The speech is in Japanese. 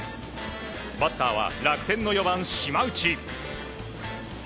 バッターは楽天の４番、島内。